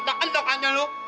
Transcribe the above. itu untuk apa pak